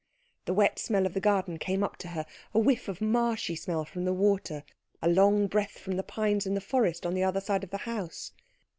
The wet smell of the garden came up to her, a whiff of marshy smell from the water, a long breath from the pines in the forest on the other side of the house.